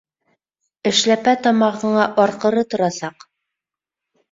Эшләпә тамағыңа арҡыры торасаҡ!